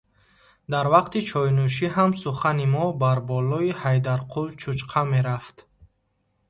Дар вақти чойнӯшӣ ҳам сухани мо бар болои Ҳайдарқул Чучқа мерафт.